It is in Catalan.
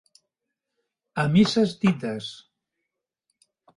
A misses dites.